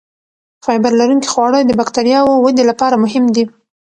فایبر لرونکي خواړه د بکتریاوو ودې لپاره مهم دي.